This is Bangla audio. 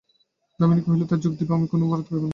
দামিনী কহিল, তাই যোগ দিব, আমি কোনো অপরাধ করিব না।